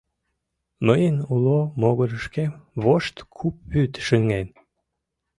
Мыйын уло могырышкем вошт куп вӱд шыҥен.